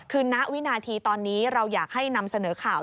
คือณวินาทีตอนนี้เราอยากให้นำเสนอข่าว